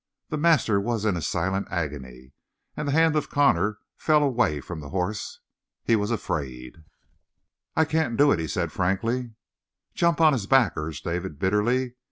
The master was in a silent agony, and the hand of Connor fell away from the horse. He was afraid. "I can't do it," he said frankly. "Jump on his back," urged David bitterly.